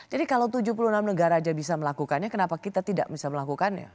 jadi kalau tujuh puluh enam negara saja bisa melakukannya kenapa kita tidak bisa melakukannya